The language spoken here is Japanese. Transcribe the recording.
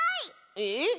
えっ？